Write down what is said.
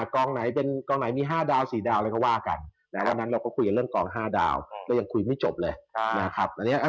กล้องไหนมี๕ดาว๔ดาวอะไรก็ว่ากันแล้ววันนั้นเราก็คุยกันเรื่องกอง๕ดาวแล้วยังคุยไม่จบเลย